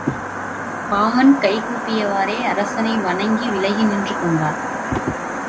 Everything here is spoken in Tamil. பாகன் கை கூப்பியவாறே அரசனை வணங்கி விலகிநின்று கொண்டான்.